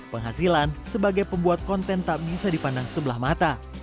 penghasilan sebagai pembuat konten tak bisa dipandang sebelah mata